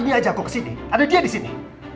hari ini ajak aku ke sini ada dia di sini